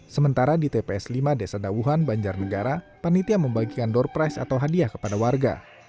sementara di tps lima desa dauhan banjarnegara panitia membagikan door price atau hadiah kepada warga